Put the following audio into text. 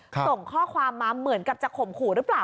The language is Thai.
ส่งข้อความมาเหมือนกับจะข่มขู่หรือเปล่า